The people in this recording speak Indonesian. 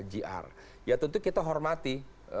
gr ya tentu kita hormati